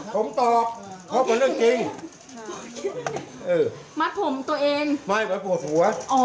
ผมตอบเขาน่าเรียกจริงเออมัดผมตัวเองไม่มัดผมหัว